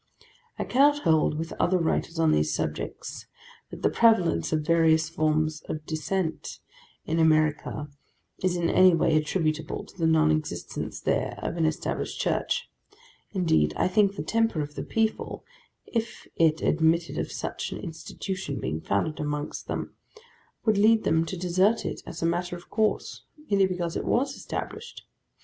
I cannot hold with other writers on these subjects that the prevalence of various forms of dissent in America, is in any way attributable to the non existence there of an established church: indeed, I think the temper of the people, if it admitted of such an Institution being founded amongst them, would lead them to desert it, as a matter of course, merely because it was established.